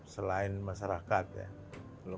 selain masyarakat ya